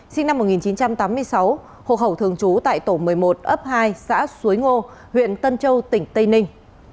sinh năm một nghìn chín trăm tám mươi sáu hộ khẩu thường trú tại tổ một mươi một ấp hai xã suối ngô huyện tân châu tỉnh tây ninh